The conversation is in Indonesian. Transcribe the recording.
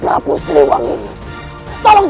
aku harus menang